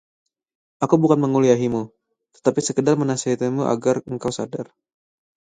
aku bukan menguliahimu, tetapi sekadar menasihatimu agar engkau sadar